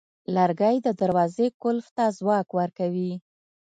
لرګی د دروازې قلف ته ځواک ورکوي.